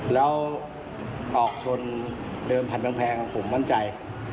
แล้วออกชนเดินผ่านกำแพงผมมั่นใจ